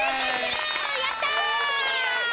やったー！